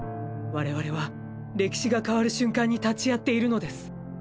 我々は歴史が変わる瞬間に立ち会っているのです。